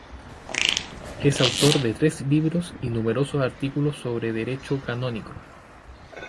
Es autor de tres libros y numerosos artículos sobre derecho canónico.